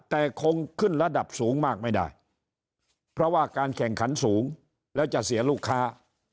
แต่คงขึ้นระดับสูงมากไม่ได้เพราะว่าการแข่งขันสูงแล้วจะเสียลูกค้า